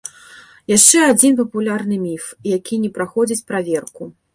Яшчэ адзін папулярны міф, які не праходзіць праверку.